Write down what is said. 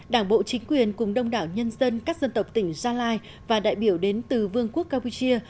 đảng bộ chính quyền cùng đông đảo nhân dân các dân tộc tỉnh gia lai và đại biểu đến từ vương quốc campuchia